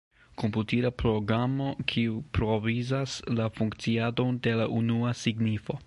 Komputila programo kiu provizas la funkciadon de la unua signifo.